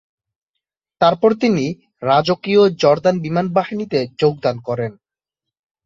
তারপর তিনি রাজকীয় জর্দান বিমান বাহিনীতে যোগদান করেন।